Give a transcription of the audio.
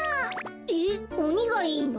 えっおにがいいの？